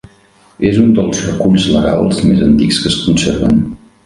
És un dels reculls legals més antics que es conserven.